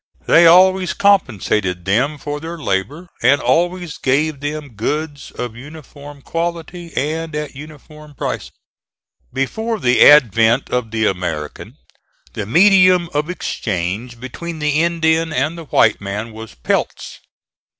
They always compensated them for their labor, and always gave them goods of uniform quality and at uniform price. Before the advent of the American, the medium of exchange between the Indian and the white man was pelts.